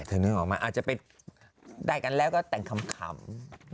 นึกออกมาอาจจะไปได้กันแล้วก็แต่งขำ